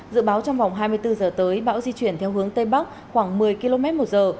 dự báo trong vòng hai mươi bốn giờ tới bão di chuyển theo hướng tây bắc khoảng một mươi km một giờ